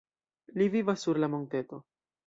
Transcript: Li vivas sur la monteto.